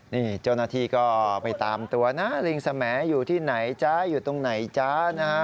นี่เจ้าหน้าที่ก็ไปตามตัวนะลิงสมัยอยู่ที่ไหนจ๊ะอยู่ตรงไหนจ๊ะนะฮะ